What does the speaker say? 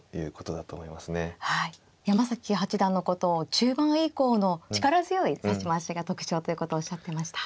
山崎八段のことを中盤以降の力強い指し回しが特徴ということをおっしゃってました。